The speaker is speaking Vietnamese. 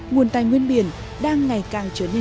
nguồn tài nguyên biển đang ngày càng trở nên kiệt quen